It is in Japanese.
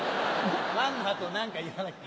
「ワン」の後何か言わなきゃ。